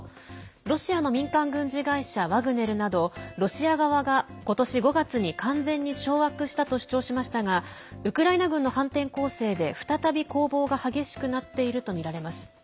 ロシアの民間軍事会社ワグネルなど、ロシア側が今年５月に完全に掌握したと主張しましたがウクライナ軍の反転攻勢で再び攻防が激しくなっているとみられます。